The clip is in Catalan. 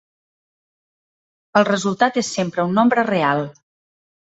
El resultat és sempre un nombre real.